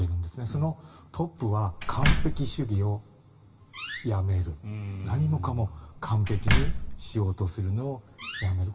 そのトップは完璧主義をやめる何もかも完璧にしようとするのをやめる。